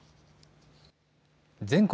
全国